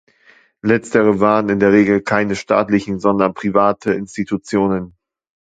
Letztere waren in der Regel keine staatlichen, sondern private Institutionen.